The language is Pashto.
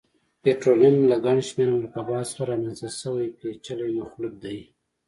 پټرولیم له ګڼشمېر مرکباتو څخه رامنځته شوی پېچلی مخلوط دی.